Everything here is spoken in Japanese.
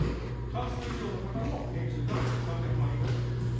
半数以上の方の年収が３００万円以下でありました。